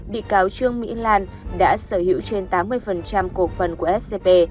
bị cáo trương mỹ lan đã sở hữu trên tám mươi cổ phần của scb